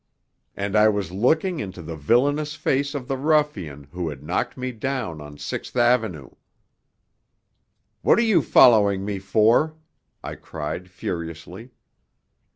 And I was looking into the villainous face of the ruffian who had knocked me down on Sixth Avenue. "What are you following me for?" I cried furiously.